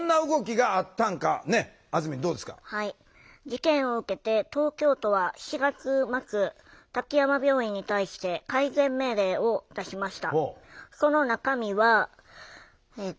事件を受けて東京都は４月末滝山病院に対して改善命令を出しました。